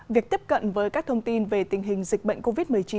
việc tiếp cận với các thông tin về tình hình dịch bệnh covid một mươi chín